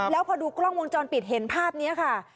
แล้วพอดูกล้องวงจรปิดเห็นภาพนี้ค่ะ